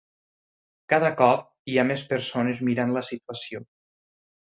Cada cop hi ha més persones mirant la situació.